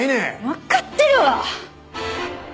わかってるわ！